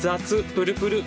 プルプル！